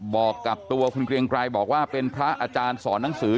บอกกับตัวคุณเกรียงไกรบอกว่าเป็นพระอาจารย์สอนหนังสือ